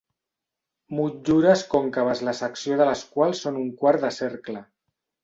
Motllures còncaves la secció de les quals són un quart de cercle.